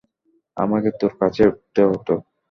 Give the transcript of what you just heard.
আমাকে তোর কাছেই উঠতে হতো।